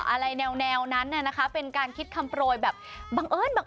อะไรแนวนั้นน่ะนะคะเป็นการคิดคำโปรยแบบบังเอิญแบบ